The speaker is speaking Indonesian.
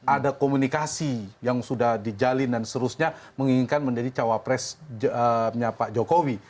ada komunikasi yang sudah dijalin dan seterusnya menginginkan menjadi cawapresnya pak jokowi